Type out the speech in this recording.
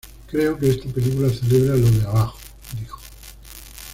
Creo que esta película celebra lo de abajo", dijo.